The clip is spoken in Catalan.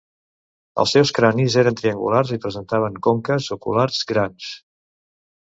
Els seus cranis eren triangulars i presentaven conques oculars grans.